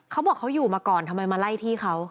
เขาบอกเขาอยู่มาก่อนทำไมมาไล่ที่เขา